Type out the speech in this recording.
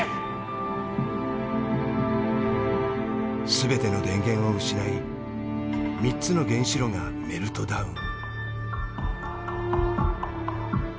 全ての電源を失い３つの原子炉がメルトダウン。